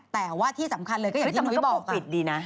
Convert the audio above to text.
แต่ว่าที่สำคัญเลยก็อย่างที่นุ้ยบอกนะแต่มันก็โปรฟิตดีนะ